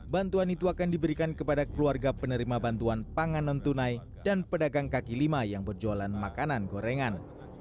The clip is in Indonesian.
bantuan itu akan diberikan kepada keluarga penerima bantuan pangan non tunai dan pedagang kaki lima yang berjualan makanan gorengan